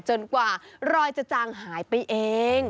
กว่ารอยจะจางหายไปเอง